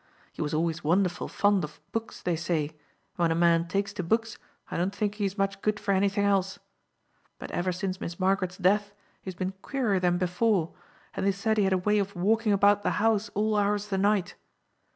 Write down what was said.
He was always wonderful fond of books they say, and when a man takes to books, I don't think he is much good for anything else; but ever since Miss Margaret's death, he has been queerer than before, and they said he had a way of walking about the house all hours of the night.